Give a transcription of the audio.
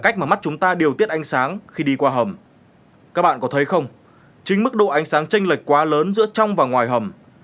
chính mức độ ánh sáng tranh lệch quá lớn giữa trong và ngoài hầm